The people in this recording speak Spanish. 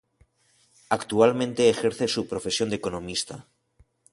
Actualmente ejerce su profesión de economista.